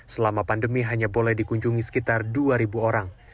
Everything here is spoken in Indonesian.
selama pandemi hanya boleh dikunjungi sekitar dua orang